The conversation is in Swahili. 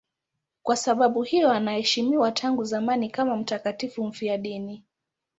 Kwa sababu hiyo anaheshimiwa tangu zamani kama mtakatifu mfiadini.